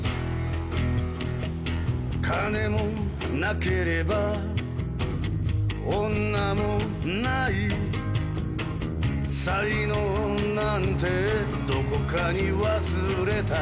「金もなければ女もない」「才能なんてどこかに忘れた」